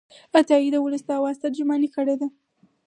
عطايي د ولس د آواز ترجماني کړې ده.